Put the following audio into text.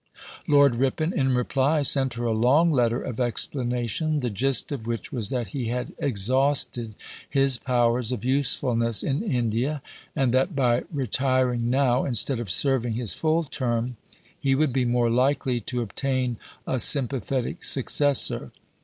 Lord Ripon in reply sent her a long letter of explanation, the gist of which was that he had exhausted his powers of usefulness in India, and that, by retiring now instead of serving his full term, he would be more likely to obtain a sympathetic successor.